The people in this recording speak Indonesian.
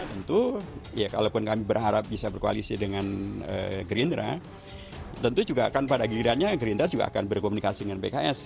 tentu ya kalaupun kami berharap bisa berkoalisi dengan gerindra tentu juga akan pada gilirannya gerindra juga akan berkomunikasi dengan pks